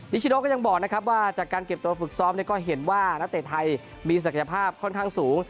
ชิโนก็ยังบอกนะครับว่าจากการเก็บตัวฝึกซ้อมก็เห็นว่านักเตะไทยมีศักยภาพค่อนข้างสูง